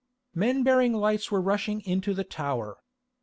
Men bearing lights were rushing into the tower.